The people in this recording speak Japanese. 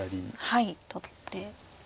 はい取って。